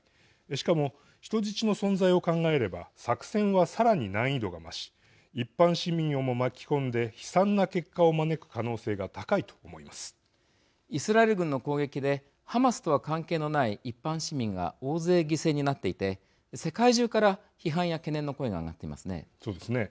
しかも人質の存在を考えれば作戦はさらに難易度が増し一般市民をも巻き込んで悲惨な結果を招く可能性がイスラエル軍の攻撃でハマスとは関係のない一般市民が大勢、犠牲になっていて世界中から批判や懸念の声がそうですね。